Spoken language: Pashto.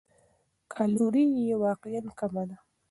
کالوري یې واقعاً کمه ده.